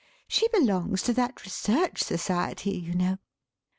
She belongs to that Research Society, you know."